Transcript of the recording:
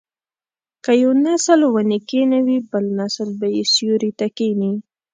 که یو نسل ونې کینوي بل نسل به یې سیوري ته کیني.